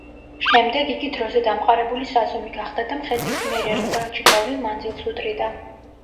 შემდეგ იგი დროზე დამყარებული საზომი გახდა და მხედრის მიერ ერთ საათში გავლილ მანძილს უდრიდა.